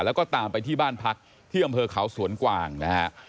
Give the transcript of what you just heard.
แล้วก็ตามไปที่บ้านพักที่อำเภอเขาสวนกวางนะฮะ